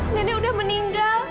nenek udah meninggal